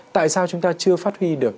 tại sao chúng ta chưa phát huy được